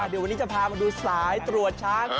เดี๋ยววันนี้จะพามาดูสายตรวจช้าง